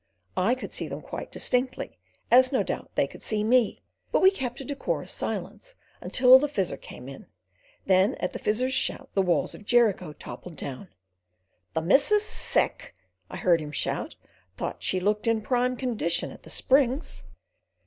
I could see them quite distinctly as, no doubt, they could see me; but we kept a decorous silence until the Fizzer came in, then at the Fizzer's shout the walls of Jericho toppled down. "The missus sick!" I heard him shout. "Thought she looked in prime condition at the Springs."